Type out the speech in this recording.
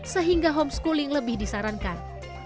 sehingga homeschooling lebih disarankan